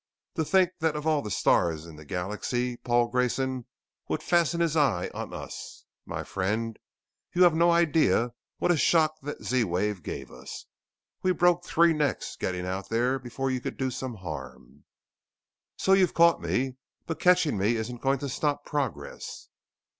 To think that of all the stars in the galaxy Paul Grayson would fasten his eye on us! My friend, you have no idea what a shock that Z wave gave us. We broke three necks getting out there before you could do some harm." "So you've caught me. But catching me isn't going to stop progress."